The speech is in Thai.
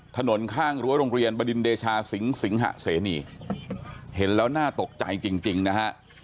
ถนนข้างรั้วโรงเรียนบดินเดชาสิงสิงหะเสนีเห็นแล้วน่าตกใจจริงนะฮะ